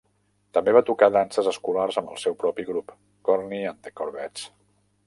També va tocar danses escolars amb el seu propi grup, Corny and the Corvettes.